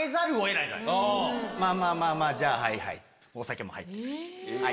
まぁまぁじゃあはいはいお酒も入ってるし。